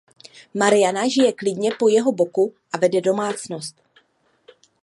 Mariana žije klidně po jeho boku a vede domácnost.